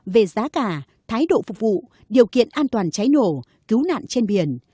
về giá cả thái độ phục vụ điều kiện an toàn cháy nổ cứu nạn trên biển